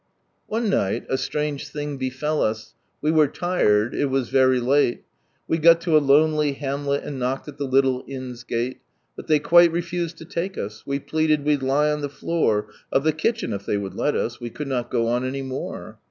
One night a strange thing befell us. We were tired, it was very late. We got lo a lonely hamlet and knocked at the little inn's gale. But ihey quite refused lo lake us. We pleaded wcM lie on the floor Of the kitchen, if they would let us, we could not go on any more.